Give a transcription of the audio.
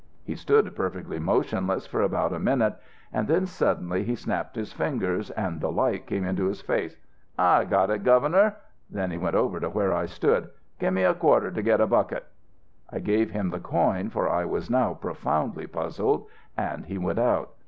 He stood perfectly motionless for about a minute; and then suddenly he snapped his fingers and the light came into his face. "'I got it, Governor!' Then he came over to where I stood. 'Gimme a quarter to get a bucket' "I gave him the coin, for I was now profoundly puzzled, and he went out.